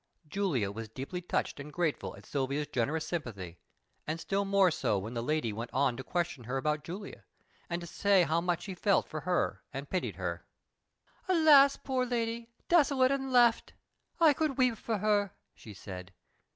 Julia was deeply touched and grateful at Silvia's generous sympathy, and still more so when the lady went on to question her about Julia, and to say how much she felt for her and pitied her. "Alas, poor lady, desolate and left! I could weep for her," she said.